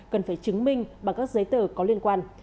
cần phải chứng minh bằng các giấy tờ có liên quan